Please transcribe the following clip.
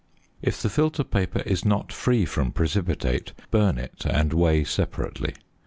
If the filter paper is not free from precipitate, burn it and weigh separately.